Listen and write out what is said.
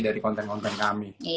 dari konten konten kami